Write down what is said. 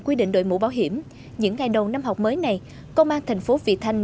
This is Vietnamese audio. quy định đội mũ bảo hiểm những ngày đầu năm học mới công an tp vị thanh